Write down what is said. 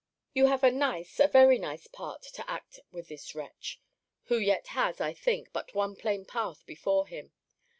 You have a nice, a very nice part to act with this wretch who yet has, I think, but one plain path before him.